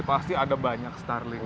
pasti ada banyak starling